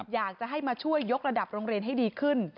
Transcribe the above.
อยากจะให้มาช่วยยกระดับโรงเรียนให้ดีขึ้น